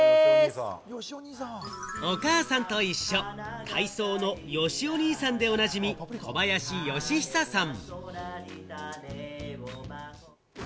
『おかあさんといっしょ』、体操のよしお兄さんでおなじみ、小林よしひささん。